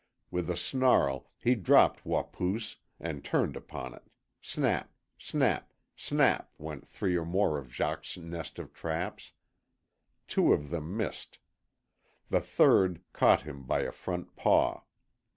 With a snarl he dropped Wapoos and turned upon it, SNAP SNAP SNAP went three more of Jacques's nest of traps. Two of them missed. The third caught him by a front paw.